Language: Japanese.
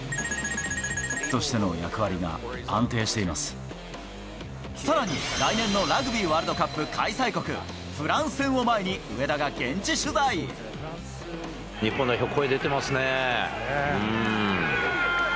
×××としての役割が安定しさらに、来年のラグビーワールドカップ開催国、フランス戦を前に上田が現日本代表、声出てますね。